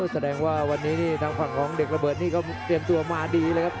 แสดงว่าวันนี้นี่ทางฝั่งของเด็กระเบิดนี่เขาเตรียมตัวมาดีเลยครับ